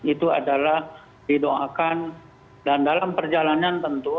itu adalah didoakan dan dalam perjalanan tentu